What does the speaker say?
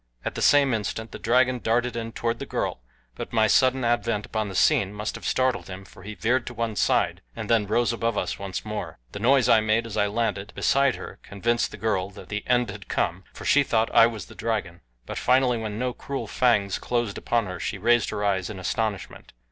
At the same instant the dragon darted in toward the girl, but my sudden advent upon the scene must have startled him for he veered to one side, and then rose above us once more. The noise I made as I landed beside her convinced the girl that the end had come, for she thought I was the dragon; but finally when no cruel fangs closed upon her she raised her eyes in astonishment.